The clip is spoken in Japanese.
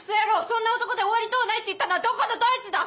そんな男で終わりとうないって言ったのはどこのどいつだ！